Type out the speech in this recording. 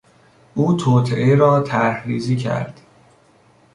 او توطئه را طرحریزی کرد.